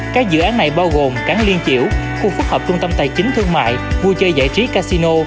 các dự án này bao gồm cảng liên chiểu khu phức hợp trung tâm tài chính thương mại vui chơi giải trí casino